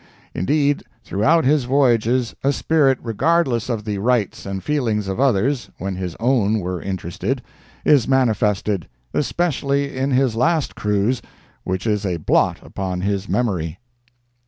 Indeed, throughout his voyages a spirit regardless of the rights and feelings of others, when his own were interested, is manifested, especially in his last cruise, which is a blot upon his memory."